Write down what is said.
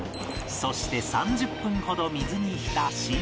そして３０分ほど水に浸し